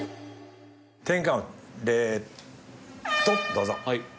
どうぞ。